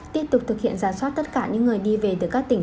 tiếp tục thực hiện giả soát tất cả những người đi về từ các tỉnh